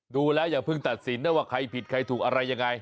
ดูแล้วอย่าเพิ่งตัดสินนะว่าใครผิดใครถูกอะไรยังไง